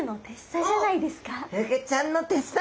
フグちゃんのてっさ！